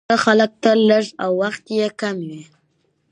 ښه خلک تل لږ او وخت يې کم وي،